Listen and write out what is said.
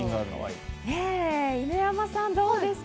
犬山さん、どうですか？